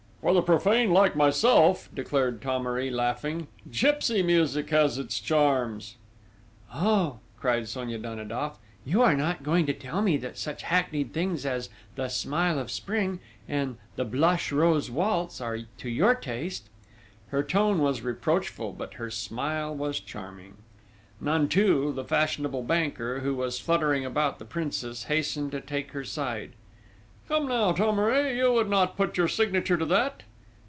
"For the profane like myself," declared Thomery, laughing, "gipsy music has its charms!" "Oh," cried Sonia Danidoff, "you are not going to tell me that such hackneyed things as The Smile of Spring and The Blush Rose Waltz are to your taste!" Her tone was reproachful, but her smile was charming. Nanteuil, the fashionable banker, who was fluttering about the Princess, hastened to take her side: "Come now, Thomery, you would not put your signature to that?"